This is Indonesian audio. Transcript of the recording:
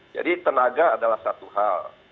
jadi tenaga adalah satu hal